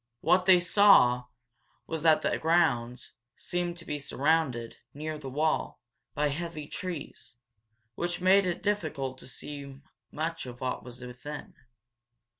What they saw was that the grounds seemed to be surrounded, near the wall, by heavy trees, which made it difficult to see much of what was within.